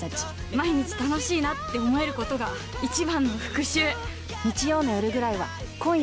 毎日楽しいなって思えることが一番の復讐